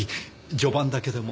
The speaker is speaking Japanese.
序盤だけでも。